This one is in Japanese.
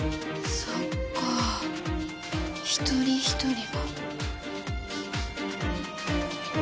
そっか一人一人が。